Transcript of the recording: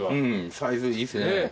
サイズいいっすね。